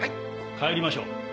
帰りましょう。